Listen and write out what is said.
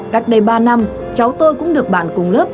cách đây ba năm cháu tôi cũng được bạn cùng lớp